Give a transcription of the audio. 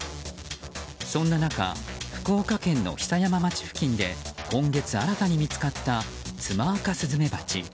そんな中、福岡県の久山町付近で今月新たに見つかったツマアカスズメバチ。